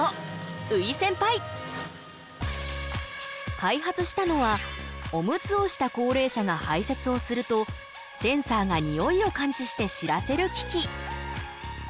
開発したのはオムツをした高齢者がはいせつをするとセンサーがにおいを感知して知らせる機器。